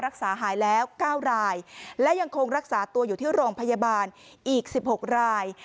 รักษาหายแล้ว๙รายและยังคงรักษาตัวอยู่ที่โรงพยาบาลอีก๑๖ราย